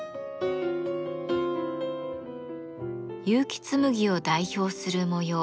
結城紬を代表する模様